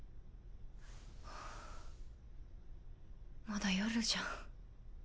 まだ夜じゃん。